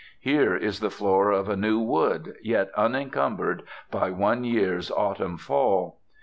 Here is the floor of a new wood, yet uncumbered by one year's autumn fall.